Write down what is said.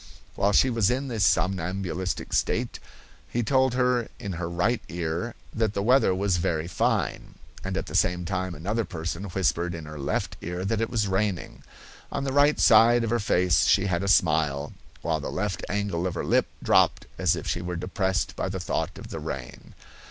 While she was in the somnambulistic state he told her in her right ear that the weather was very fine, and at the same time another person whispered in her left ear that it was raining. On the right side of her face she had a smile, while the left angle of her lip dropped as if she were depressed by the thought of the rain.